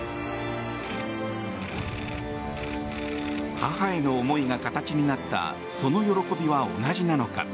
母への思いが形になったその喜びは同じなのか